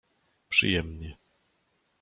Przyjemnie.